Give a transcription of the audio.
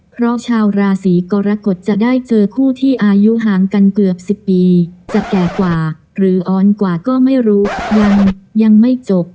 เพราะชาวราศีกรกฎจะได้เจอคู่ที่อายุห่างกันเกือบ๑๐ปีจะแก่กว่าหรืออ่อนกว่าก็ไม่รู้ยังยังไม่จบ